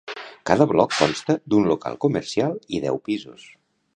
Cada bloc consta d'un local comercial i deu pisos.